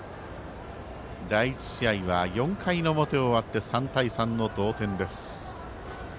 第１試合は４回の表が終わって３対３の同点です。